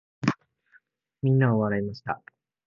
皆は笑いました。